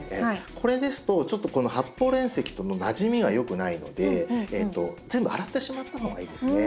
これですとちょっとこの発泡煉石とのなじみがよくないので全部洗ってしまった方がいいですね。